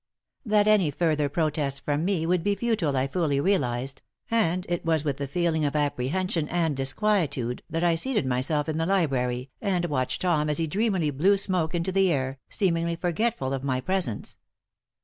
That any further protest from me would be futile, I fully realized, and it was with a feeling of apprehension and disquietude that I seated myself in the library, and watched Tom as he dreamily blew smoke into the air, seemingly forgetful of my presence.